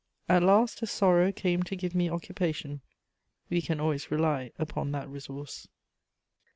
At last a sorrow came to give me occupation: we can always rely upon that resource.